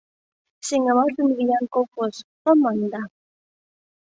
«Сеҥымаш» ден «Виян» колхоз — мом маныда?